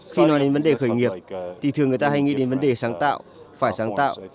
khi nói đến vấn đề khởi nghiệp thì thường người ta hay nghĩ đến vấn đề sáng tạo phải sáng tạo